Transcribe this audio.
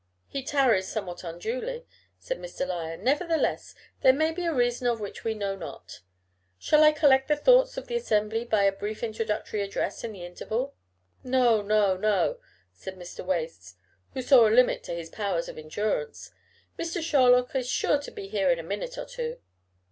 "He tarries somewhat unduly," said Mr. Lyon. "Nevertheless there may be a reason of which we know not. Shall I collect the thoughts of the assembly by a brief introductory address in the interval?" "No, no, no," said Mr. Wace, who saw a limit to his powers of endurance. "Mr. Sherlock is sure to be here in a minute or two."